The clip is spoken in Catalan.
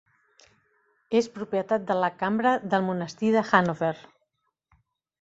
És propietat de la Cambra del monestir de Hannover.